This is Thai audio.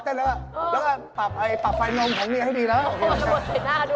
ใช่เขารับงานเต้นด้วย